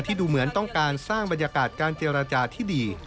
ดูเหมือนต้องการสร้างบรรยากาศการเจรจาที่ดี